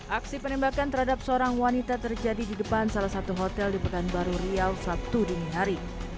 aksi penembakan terhadap seorang wanita terjadi di depan salah satu hotel di pekanbaru riau sabtu dini hari